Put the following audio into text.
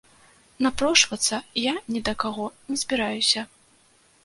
Напрошвацца я ні да каго не збіраюся.